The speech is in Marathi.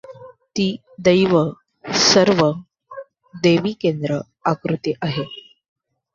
ती दैव सर्व देवी केंद्र आकृती आहे.